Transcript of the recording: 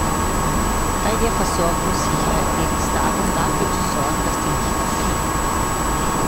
Bei der Versorgungssicherheit geht es darum, dafür zu sorgen, dass die Lichter brennen.